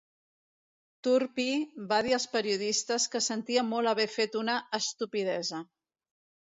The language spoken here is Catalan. Turpie va dir als periodistes que sentia molt haver fet una "estupidesa".